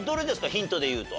ヒントで言うと。